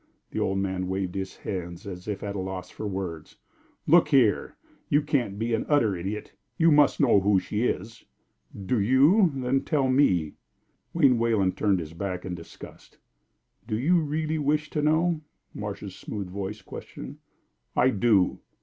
The old man waved his hands as if at a loss for words. "Look here! You can't be an utter idiot. You must know who she is." "Do you? Then tell me." Wayne Wayland turned his back in disgust. "Do you really wish to know?" Marsh's smooth voice questioned. "I do."